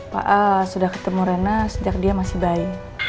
pak sudah ketemu rena sejak dia masih bayi